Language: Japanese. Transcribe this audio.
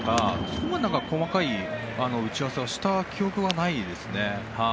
そこまで細かい打ち合わせをした記憶はないですね。